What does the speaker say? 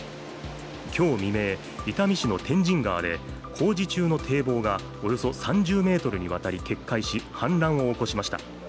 今日未明、伊丹市の天神川で工事中の堤防がおよそ３０ｍにわたり決壊し、氾濫を起こしました。